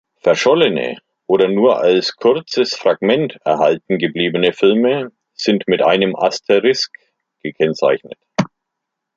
Verschollene oder nur als kurzes Fragment erhalten gebliebene Filme sind mit einem Asterisk gekennzeichnet.